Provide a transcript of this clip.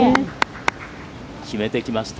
決めてきました。